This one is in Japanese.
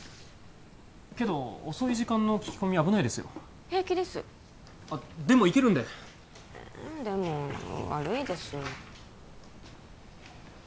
けど遅い時間の聞き込みは危ないですよ平気ですあっでも行けるんででも悪いですよ